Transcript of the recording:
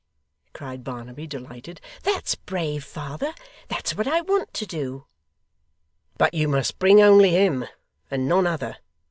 cried Barnaby, delighted; 'that's brave, father. That's what I want to do.' 'But you must bring only him, and none other.